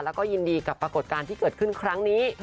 แล้วก็ยินดีกับปรากฏการณ์ที่เกิดขึ้นครั้งนี้